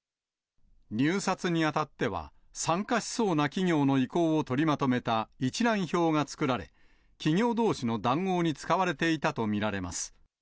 入札にあたっては、参加しそうな企業の意向を取りまとめた一覧表が作られ、企業どうしの談合に使われていたと見られます。